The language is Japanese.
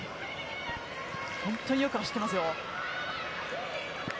本当によく走ってますよ。